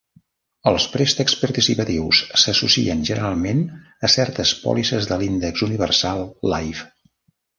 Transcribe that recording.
Els préstecs participatius s'associen generalment a certes pòlisses de l'Index Universal Life.